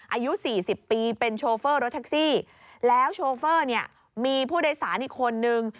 อายุสี่สิบปีเป็นโชเฟอร์รถแท็กซี่แล้วโชเฟอร์เนี่ยมีผู้โดยสารอีกคนนึง